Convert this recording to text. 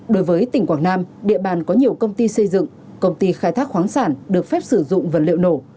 đối với tỉnh quảng nam địa bàn có nhiều công ty xây dựng công ty khai thác khoáng sản được phép sử dụng vật liệu nổ